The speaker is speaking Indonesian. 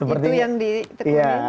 itu yang ditekuni